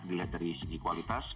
dilihat dari segi kualitas